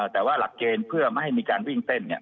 แต่ว่าหลักเกณฑ์เพื่อไม่ให้มีการวิ่งเต้นเนี่ย